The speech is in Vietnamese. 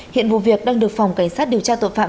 hiện vụ việc đang được phòng cảnh sát điều tra tội phạm